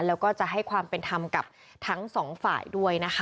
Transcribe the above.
แล้วก็จะให้ความเป็นธรรมกับทั้งสองฝ่ายด้วยนะคะ